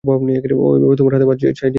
ও, এভাবে তোমার বাড়া ভাতে ছাই দিয়ে গেল?